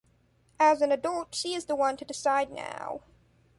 As an adult, she is the one to decide now.